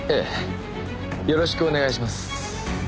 よろしくお願いします。